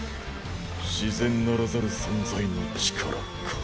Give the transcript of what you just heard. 自然ならざる存在の力か。